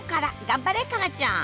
頑張れ花菜ちゃん！